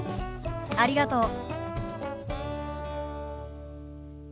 ありがとう。